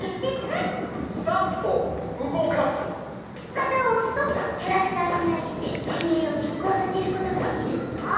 旗をおすとキャラクターにたいして命令を実行させることができるのよ！